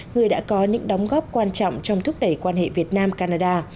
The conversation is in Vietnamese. người đã có những đóng góp quan trọng trong thúc đẩy quan hệ việt nam canada